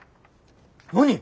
何？